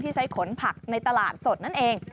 ใช้ขนผักในตลาดสดนั่นเอง